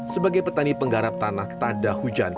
sebagai petani penggarap tanah tada hujan